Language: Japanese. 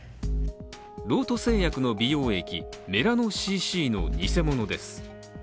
ロート製薬の美容液、メラノＣＣの偽物です。